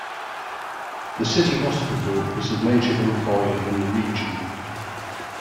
The city hospital is the major employer in the region.